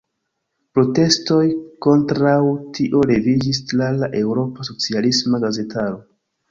Protestoj kontraŭ tio leviĝis tra la eŭropa socialisma gazetaro.